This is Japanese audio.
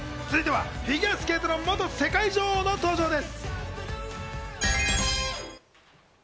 続いては、フィギュアスケートの元世界女王の登場です。